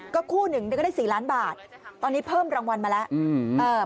ก็คู่หนึ่งก็ได้สี่ล้านบาทตอนนี้เพิ่มรางวัลมาแล้วอืมเอ่อ